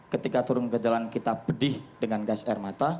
ketika turun ke jalan kita pedih dengan gas air mata